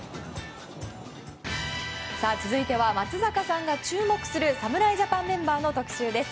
続いては、松坂さんが注目する侍ジャパンメンバーの特集です。